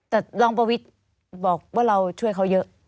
แต่รองประวิทย์บอกว่าเราช่วยเขาเยอะ